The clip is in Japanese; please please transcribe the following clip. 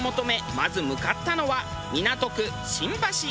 まず向かったのは港区新橋。